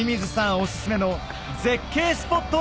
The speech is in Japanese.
お薦めの絶景スポットへ！